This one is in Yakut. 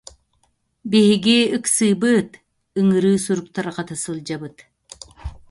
Биһиги ыксыыбыт, ыҥырыы сурук тарҕата сылдьабыт